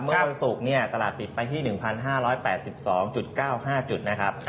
มุมประสุทธิ์ตลาดปิดไปที่๑๕๘๒๙๕จุดนะครับ